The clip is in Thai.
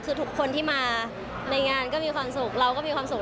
คือทุกคนที่มาในงานก็มีความสุขเราก็มีความสุข